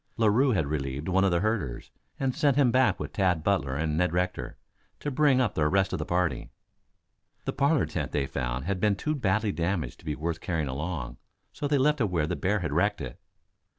Larue had relieved one of the herders and sent him back with Tad Butler and Ned Rector, to bring up the rest of the party. The parlor tent they found had been too badly damaged to be worth carrying along, so they left it where the bear had wrecked it.